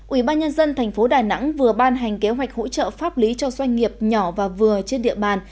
ủy ban nhân dân tp đà nẵng vừa ban hành kế hoạch hỗ trợ pháp lý cho doanh nghiệp nhỏ và vừa trên địa bàn